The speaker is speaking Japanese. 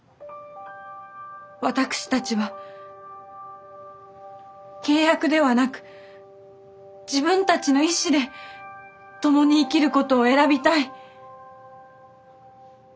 私たちは契約ではなく自分たちの意志で共に生きることを選びたい。